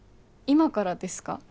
今からですか？